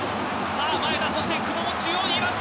前田そして久保も中央にいます。